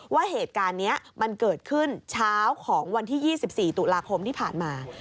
ว่าเหตุการณ์นี้มันเกิดขึ้นเช้าของวันที่๒๔ตุลาคมที่ผ่านมา